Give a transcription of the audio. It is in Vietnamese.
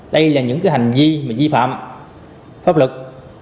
đây là những hành vi di phạm pháp lực